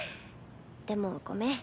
でもごめん。